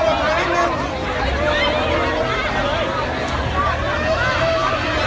ก็ไม่มีเวลาให้กลับมาเท่าไหร่